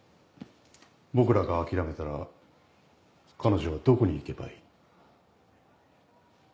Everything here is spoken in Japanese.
僕らが諦めたら彼女はどこに行けばいい？